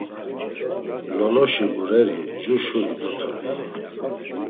Loloşi ğureri jur şuri dotorey.